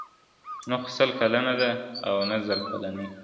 نه خو سل کلنه ده او نه زرکلنۍ ,